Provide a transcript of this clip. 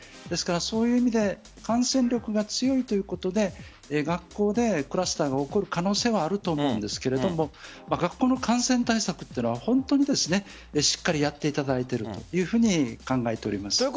ですから、そういう意味で感染力が強いということで学校でクラスターが起こる可能性はあると思うんですが学校の感染対策というのは本当にしっかりやっていただいているというふうに考えています。